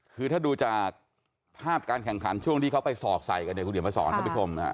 คือถ้าดูจากภาพการแข่งขันช่วงที่เขาไปสอกใส่กันเนี่ยคุณเดี๋ยวมาสอนท่านผู้ชม